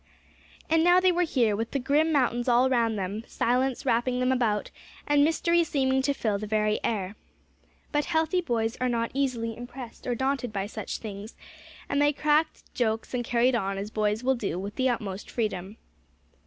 And now they were here, with the grim mountains all around them, silence wrapping them about, and mystery seeming to fill the very air. But healthy boys are not easily impressed or daunted by such things; and they cracked jokes and carried on as boys will do with the utmost freedom.